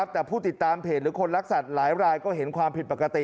แต่ผู้ติดตามเพจหรือคนรักสัตว์หลายรายก็เห็นความผิดปกติ